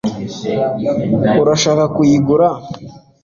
urashaka kuyigura